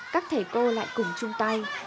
các thầy cô lại cùng chung tay